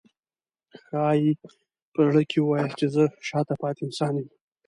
ښایي په زړه کې ووایي چې زه شاته پاتې انسان یم.